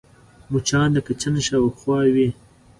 مچان د کچن شاوخوا وي